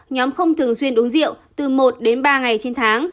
nhóm không thường xuyên uống rượu từ một đến ba ngày trên tháng